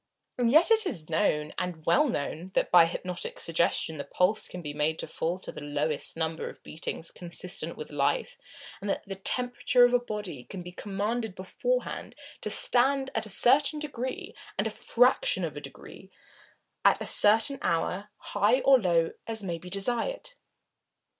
And yet it is known, and well known, that by hypnotic suggestion the pulse can be made to fall to the lowest number of beatings consistent with life, and that the temperature of the body can be commanded beforehand to stand at a certain degree and fraction of a degree at a certain hour, high or low, as may be desired.